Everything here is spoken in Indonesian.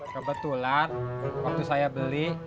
kebetulan waktu saya beli